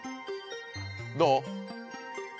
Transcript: どう？